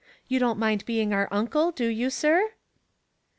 You don't mind being our uncle, do you, sir